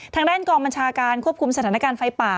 ทางด้านกองบัญชาการควบคุมสถานการณ์ไฟป่า